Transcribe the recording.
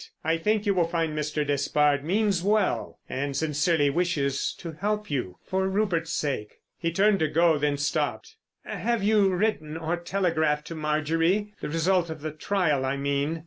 I think you will find Mr. Despard means well, and sincerely wishes to help you—for Rupert's sake." He turned to go—then stopped. "Have you written or telegraphed to Marjorie—the result of the trial I mean?"